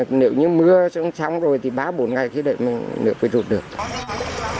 tỉnh nghệ an huyện quỳnh lưu hiện còn ba xã đang bị ngập sâu từ một đến hai m